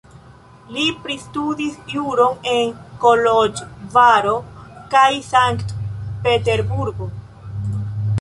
Li pristudis juron en Koloĵvaro kaj Sankt-Peterburgo.